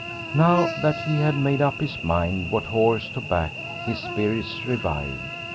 Now that he had made up his mind what horse to back his spirits revived.